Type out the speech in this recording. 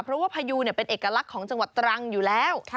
เพราะว่าพยูเป็นเอกลักษณ์ของจังหวัดตรังอยู่แล้ว